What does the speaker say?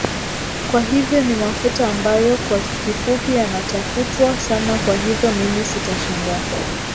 kwa hivyo ni mafuta ambayo kwa kifupi yanatafutwa sana kwa hivyo mimi sitashangaa